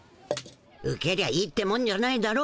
受けりゃいいってもんじゃないだろ。